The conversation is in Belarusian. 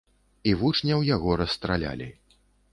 І вучняў яго расстралялі.